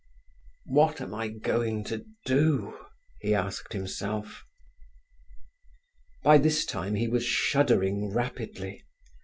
"What am I going to do?" he asked himself. By this time he was shuddering rapidly.